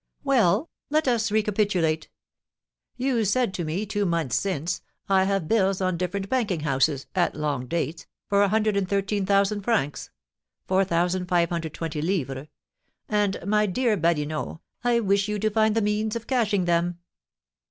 "Let us recapitulate. You said to me two months since, 'I have bills on different banking houses, at long dates, for a hundred and thirteen thousand francs (4,520_l._), and, my dear Badinot, I wish you to find me the means of cashing them.'"